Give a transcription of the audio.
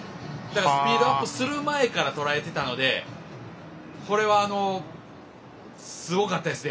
スピードアップする前からとらえていたのでこれはすごかったですね。